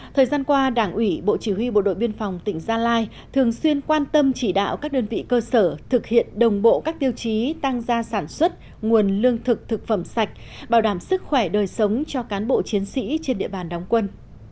thời gian qua đảng ủy bộ chỉ huy bộ đội biên phòng tỉnh gia lai thường xuyên quan tâm chỉ đạo các đơn vị cơ sở thực hiện đồng bộ các tiêu chí tăng gia sản xuất nguồn lương thực thực phẩm sạch bảo đảm sức khỏe đời sống cho cán bộ chiến sĩ trên địa bàn đóng quân